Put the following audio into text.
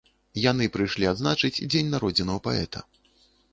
Яны прыйшлі адзначыць дзень народзінаў паэта.